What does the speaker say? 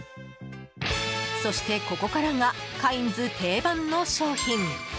そして、ここからがカインズ定番の商品。